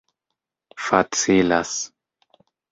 facilas